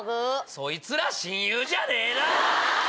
そいつら親友じゃねえな！